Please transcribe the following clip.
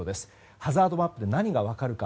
ハザードマップで何が分かるか。